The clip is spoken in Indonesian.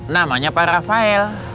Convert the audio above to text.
namanya pak rafael